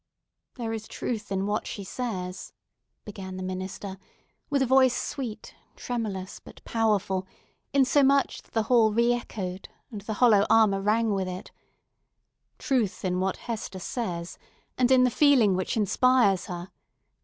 "There is truth in what she says," began the minister, with a voice sweet, tremulous, but powerful, insomuch that the hall re echoed and the hollow armour rang with it—"truth in what Hester says, and in the feeling which inspires her!